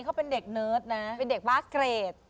เขาเป็นเด็กเนิร์ดนะเป็นเด็กบาสเกรด